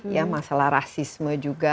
ya masalah rasisme juga